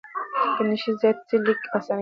که نښې زیاتې سي، لیک اسانه کېږي.